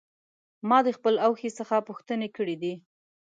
ما د خپل اخښي څخه پوښتنې کړې دي.